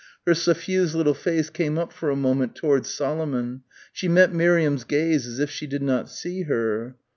Her suffused little face came up for a moment towards Solomon. She met Miriam's gaze as if she did not see her.